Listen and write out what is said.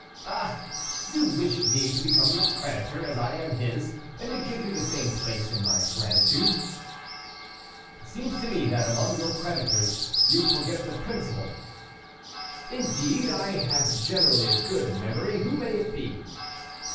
"Ah! you wish me to become your creditor, as I am his, and to give you the same place in my gratitude." "It seems to me that, among your creditors, you forget the principal." "Indeed, I have generally a good memory. Who may it be?"